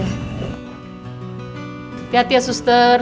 hati hati ya suster